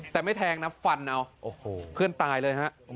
แต่ไม่แทงนะฟันเอาโอ้โหเพื่อนตายเลยฮะ